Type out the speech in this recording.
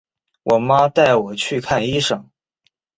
我妈带我去看医生